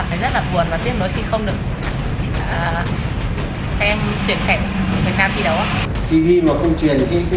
tại sao năm ngoái ta mua được bản tiền